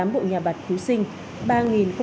hai mươi tám bộ nhà bạc cứu sinh